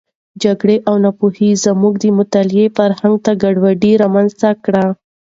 جګړه او ناپوهي زموږ د مطالعې فرهنګ ته ګډوډي رامنځته کړې.